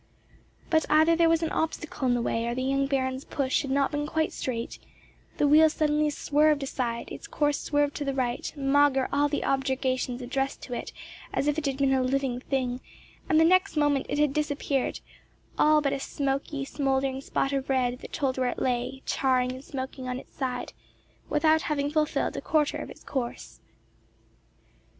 But either there was an obstacle in the way, or the young Baron's push had not been quite straight: the wheel suddenly swerved aside, its course swerved to the right, maugre all the objurgations addressed to it as if it had been a living thing, and the next moment it had disappeared, all but a smoky, smouldering spot of red, that told where it lay, charring and smoking on its side, without having fulfilled a quarter of its course.